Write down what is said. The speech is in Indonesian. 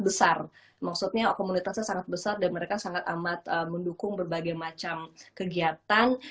besar maksudnya komunitasnya sangat besar dan mereka sangat amat mendukung berbagai macam kegiatan